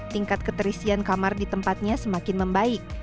tingkat keterisian kamar di tempatnya semakin membaik